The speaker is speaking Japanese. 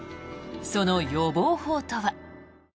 その予防法とは。